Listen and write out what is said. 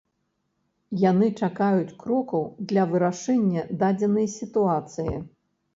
Яны чакаюць крокаў для вырашэння дадзенай сітуацыі.